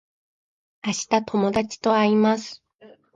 明日友達と会います